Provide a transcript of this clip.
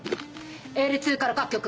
Ｌ２から各局。